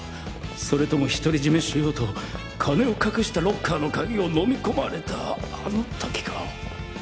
それとも一人占めしようと金を隠したロッカーの鍵を飲み込まれたあのときか？